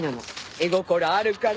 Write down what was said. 絵心あるから。